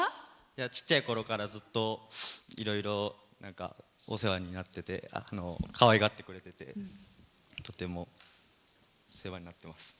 ちっちゃいころから、ずっといろいろ、お世話になっててかわいがってくれててとても世話になってます。